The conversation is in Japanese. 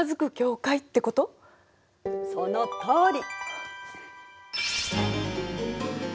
そのとおり！